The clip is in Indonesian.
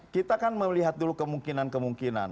kita kan melihat dulu kemungkinan kemungkinan